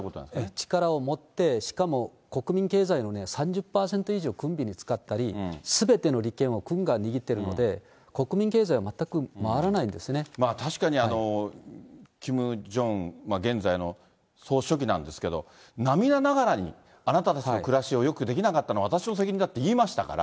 力を持って、しかも国民経済の３０％以上軍費に使ったり、すべての利権を軍が握ってるので、確かに、キム・ジョンウン、現在の総書記なんですけど、涙ながらに、あなたたちの暮らしをよくできなかったのは私の責任だと言いましたから。